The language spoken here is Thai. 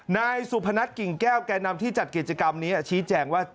นายสุพนัทกิ่งแก้วแก่นำที่จัดกิจกรรมนี้ชี้แจงว่า